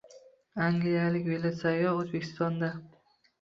Angliyalik velosayyoh O‘zbekistonda